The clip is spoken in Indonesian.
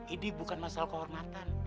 ini bukan masalah kehormatan